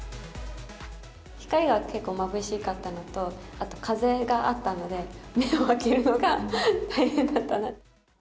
光が結構まぶしかったのと、あと、風があったので、目を開けるのが大変だったな。